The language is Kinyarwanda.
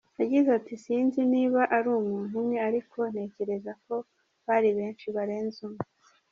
Yagize ati “Sinzi niba ari umuntu umwe ariko ntekereza ko bari benshi barenze umwe.